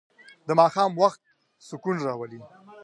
د ماښام وخت سکون راولي.